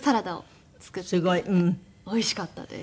すごい。おいしかったです。